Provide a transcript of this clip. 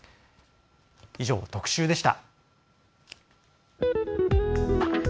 以上、特集でした。